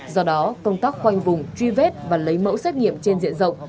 do đó công tác khoanh vùng truy vết và lấy mẫu xét nghiệm trên diện rộng